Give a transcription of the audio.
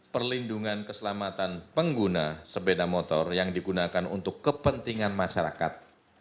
perlindungan keselamatan pengguna sepeda motor yang digunakan untuk kepentingan masyarakat